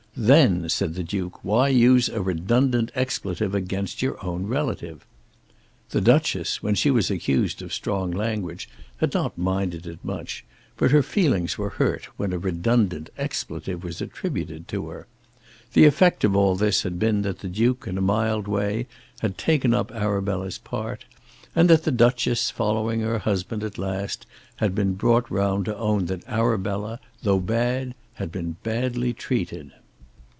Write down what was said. "Then," said the Duke, "why use a redundant expletive against your own relative?" The Duchess, when she was accused of strong language, had not minded it much; but her feelings were hurt when a redundant expletive was attributed to her. The effect of all this had been that the Duke in a mild way had taken up Arabella's part, and that the Duchess, following her husband at last, had been brought round to own that Arabella, though bad, had been badly treated.